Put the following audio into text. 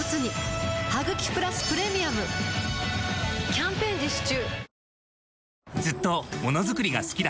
キャンペーン実施中